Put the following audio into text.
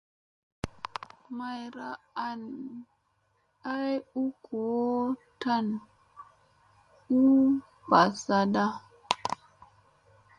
Mayra an ay u goo tan huu mbazanda.